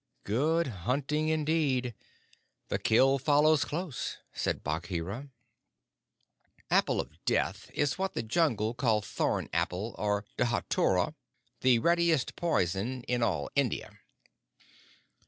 "Good hunting, indeed! The kills follow close," said Bagheera. "Apple of Death" is what the Jungle call thorn apple or dhatura, the readiest poison in all India.